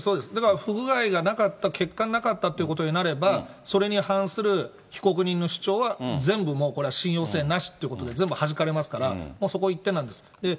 不具合がなかった、欠陥なかったということになれば、それに反する被告人の主張は全部もう、これは信用性なしってことで、全部はじかれますから、そこ一点なんです。